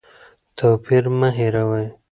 توپیر مه هېروئ.